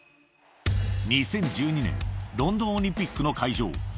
２０１２年ロンドンオリンピックの会場。